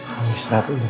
kamu istirahat dulu ya